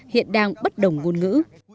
hiện đang bất đồng ngôn ngữ